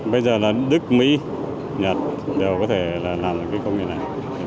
bây giờ là đức mỹ nhật đều có thể làm được cái công nghệ này